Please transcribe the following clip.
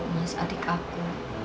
mas adik aku